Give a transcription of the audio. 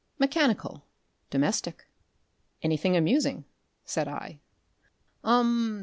"Mechanical? Domestic?" "Anything amusing?" said I. "Um!"